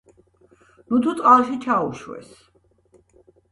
ნუთუ, წყალში ჩაუშვეს!